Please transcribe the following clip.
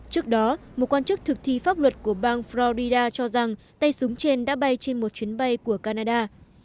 trước đó một quan chức thực thi pháp luật của bang florida cho rằng tay súng trên đã bay trên một chuyến bay của canada